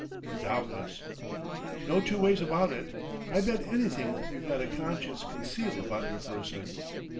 "Doubtless ..." "No two ways about it. I bet anything you've got a conscience concealed about your person.